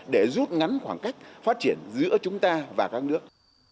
để rút ngắn khoảng cách phát triển giữa chúng ta và các nước